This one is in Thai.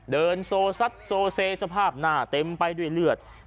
เดินโซซัดโซเซสภาพหน้าเต็มไปด้วยเลือด